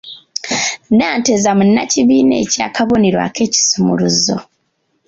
Nanteza munnakibiina eky'akabonero ak'ekisumuluzo.